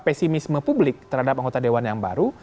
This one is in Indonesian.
pesimisme publik terhadap anggota dewan yang baru